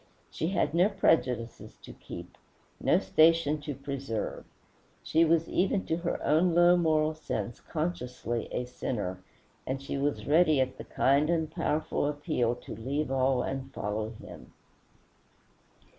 She had no prejudices to keep, no station to preserve; she was even to her own low moral sense consciously a sinner, and she was ready at the kind and powerful appeal to leave all and follow him.